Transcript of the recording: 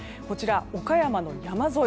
岡山の山沿い